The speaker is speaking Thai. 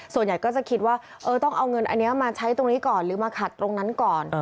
ส่วนใหญ่ก็จะคิดว่าต้องเอาเงินอันนี้มาใช้ตรงนี้ก่อนหรือมาขัดตรงนั้นก่อน